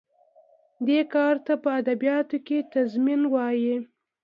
دې کار ته په ادبیاتو کې تضمین وايي.